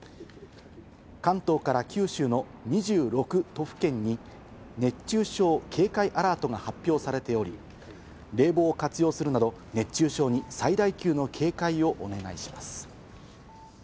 関東から九州の２６都府県に熱中症警戒アラートが発表されており、冷房を活用するなど熱中症に最大級の警戒をお願いします。